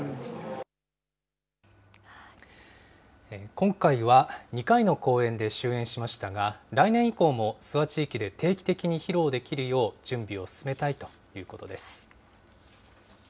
今回は、２回の公演で終演しましたが、来年以降も諏訪地域で定期的に披露できるよう準備を進めたいということです。